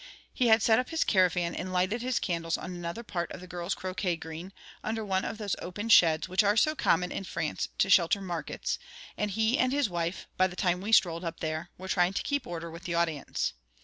He had set up his caravan and lighted his candles on another part of the girls' croquet green, under one of those open sheds which are so common in France to shelter markets; and he and his wife, by the time we strolled up there, were trying to keep order with the audience.